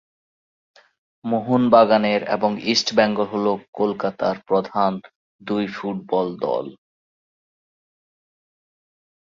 মোহন বাগানের এবং ইস্ট বেঙ্গল হল কলকাতার প্রধান দুই ফুটবল দল।